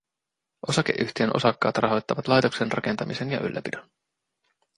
Osakeyhtiön osakkaat rahoittavat laitoksen rakentamisen ja ylläpidon